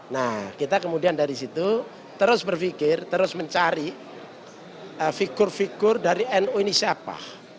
nah kita kemudian dari situ terus berpikir terus mencari figur figur dari nu ini siapa